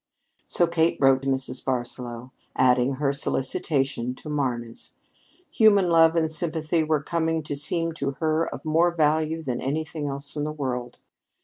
So Kate wrote Mrs. Barsaloux, adding her solicitation to Marna's. Human love and sympathy were coming to seem to her of more value than anything else in the world.